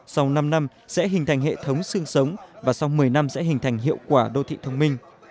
sau năm năm sẽ hình thành hệ thống sương sống và sau một mươi năm sẽ hình thành hiệu quả đô thị thông minh